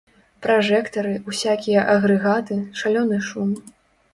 Пражэктары, усякія агрэгаты, шалёны шум.